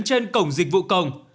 trên cổng dịch vụ công